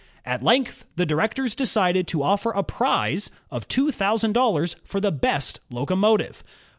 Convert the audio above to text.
At length the directors decided to offer a prize of two thousand dollars for the best locomotive.